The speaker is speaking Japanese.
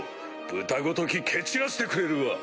豚ごとき蹴散らしてくれるわ。